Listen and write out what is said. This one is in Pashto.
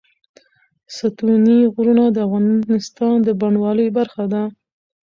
ستوني غرونه د افغانستان د بڼوالۍ برخه ده.